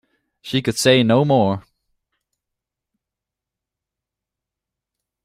She could say no more.